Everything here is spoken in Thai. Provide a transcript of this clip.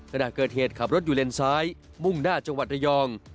ขณะเกิดเหตุขับรถอยู่เลนซ้ายมุ่งหน้าจังหวัดระยอง